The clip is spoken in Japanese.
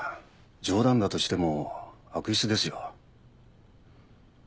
冗談だとしても悪質ですよ。